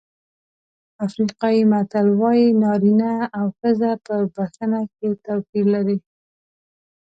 افریقایي متل وایي نارینه او ښځه په بښنه کې توپیر لري.